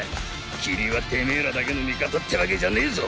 霧はテメェらだけの味方ってわけじゃねえぞ。